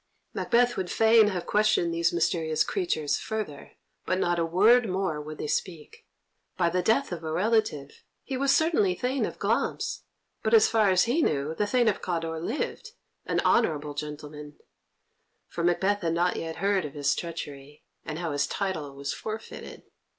Macbeth would fain have questioned these mysterious creatures further, but not a word more would they speak. By the death of a relative, he was certainly Thane of Glamis, but, as far as he knew, the Thane of Cawdor lived, an honourable gentleman, for Macbeth had not yet heard of his treachery, and how his title was forfeited.